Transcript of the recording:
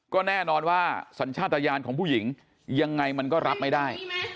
ก็แน่นอนว่าสัญชาติยานของผู้หญิงยังไงมันก็รับไม่ได้